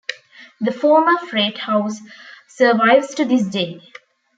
The former freight house survives to this day.